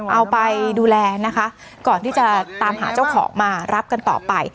เอาไปดูแลนะคะก่อนที่จะตามหาเจ้าของมารับกันต่อไป